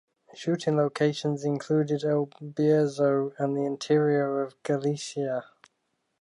Shooting locations included El Bierzo and the interior of Galicia.